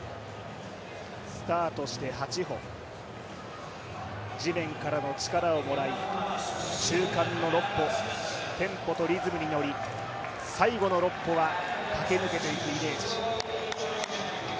スタートして８歩、地面からの力をもらい中間の６歩、テンポとリズムに乗り最後の６歩は駆け抜けていくイメージ。